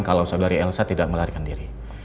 kalau saudari elsa tidak melarikan diri